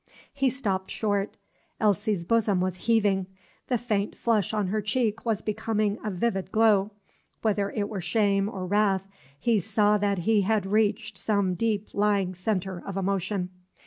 He stopped short. Elsie's bosom was heaving, the faint flush on her cheek was becoming a vivid glow. Whether it were shame or wrath, he saw that he had reached some deep lying centre of emotion.